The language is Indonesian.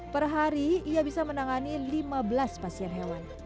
perhari ia bisa menangani lima belas pasien hewan